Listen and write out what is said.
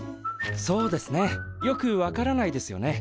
そうですねよく分からないですよね。